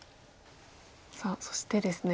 さあそしてですね